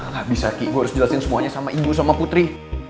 gak bisa kik gue harus jelasin semuanya sama ibu sama putri